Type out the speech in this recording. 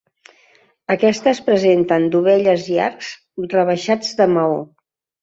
Aquestes presenten dovelles i arcs rebaixats de maó.